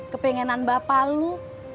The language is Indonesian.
kepengenan bapak lu